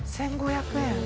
１，５００円。